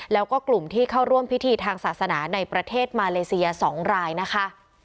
แล้วก็กลุ่มที่เข้าร่วมพิธีทางศาสนาในประเทศมาเลเซีย๒รายนะคะ